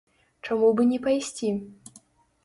Чаму б і не пайсці?